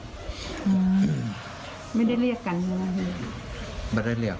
เพราะพ่อเชื่อกับจ้างหักข้าวโพด